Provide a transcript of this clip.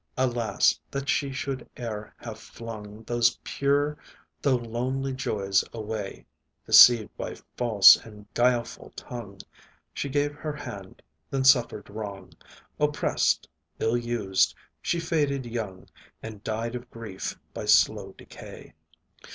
Alas! that she should e'er have flung Those pure, though lonely joys away Deceived by false and guileful tongue, She gave her hand, then suffered wrong; Oppressed, ill used, she faded young, And died of grief by slow decay.